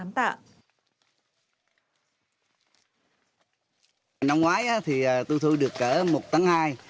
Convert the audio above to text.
năm ngoái thì tôi thu được kỡ một hai tấn